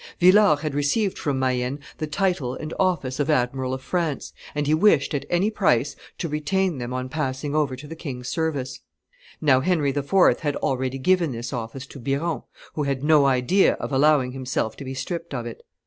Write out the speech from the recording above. Villars had received from Mayenne the title and office of admiral of France, and he wished, at any price, to retain them on passing over to the king's service. Now Henry IV. had already given this office to Biron, who had no idea of allowing himself to be stripped of it.